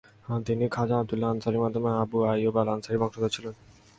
তিনি খাজা আবদুল্লাহ আনসারীর মাধ্যমে আবু আইয়ুব আল আনসারীর বংশধর ছিলেন।